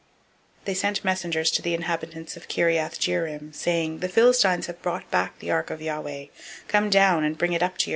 006:021 They sent messengers to the inhabitants of Kiriath Jearim, saying, The Philistines have brought back the ark of Yahweh; come you down, and bring it up to you.